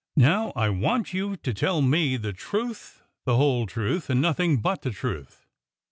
" Now I want you to tell me the truth, the whole truth, and nothing but the truth."